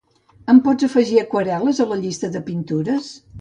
Em pots afegir aquarel·les a la llista de pintures?